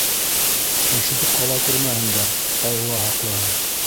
Ишетеп ҡала күрмәһендәр, алла һаҡлаһын.